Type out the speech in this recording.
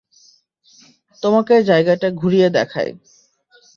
তোমাকে জায়গাটা ঘুরিয়ে দেখাই।